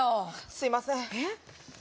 すいませんえっ？